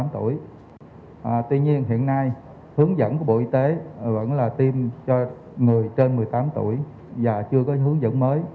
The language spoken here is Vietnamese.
tuy nhiên hiện nay hướng dẫn của bộ y tế vẫn là tiêm cho người trên một mươi tám tuổi và chưa có hướng dẫn mới